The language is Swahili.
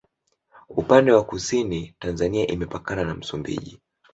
upande wa kusini tanzania imepakana na msumbiji